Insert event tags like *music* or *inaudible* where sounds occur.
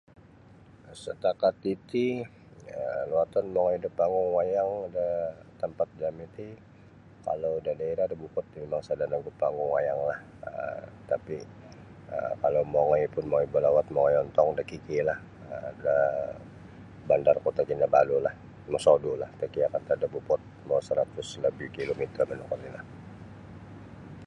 Satakat titi um lawatan mongoi da panggung wayang da tampat jami ti kalau da daerah da Beaufort ti mimang sada nogu panggung wayanglah um tapi kalau mongoi pun mongoi balawat mongoi ontong da KK lah da bandar Kota Kinabalulah mosodulah takiak antad da Beaufort mau saratus labih kilometer. *unintelligible*